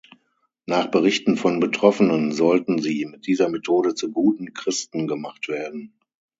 Nach Berichten von Betroffenen sollten sie mit dieser Methode zu guten Christen gemacht werden.